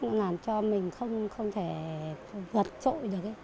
nó làm cho mình không thể vật trội được